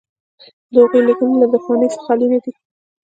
د هغوی لیکنې له دښمنۍ څخه خالي نه دي.